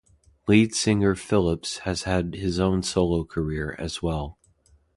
Lead singer Phillips has had his own solo career as well.